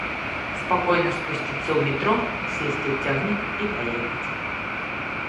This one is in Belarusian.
Спакойна спусціцца ў метро, сесці ў цягнік і паехаць.